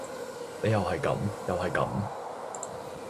你又係噉，又係噉！